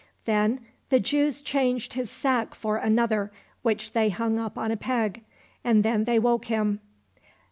Then the Jews changed his sack for another, which they hung up on a peg, and then they woke him.